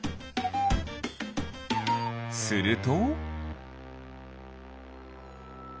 すると。